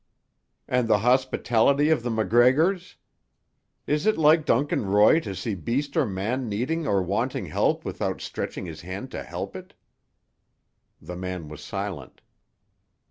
"And the hospitality of the MacGregors? Is it like Duncan Roy to see beast or man needing or wanting help without stretching his hand to help it?" The man was silent.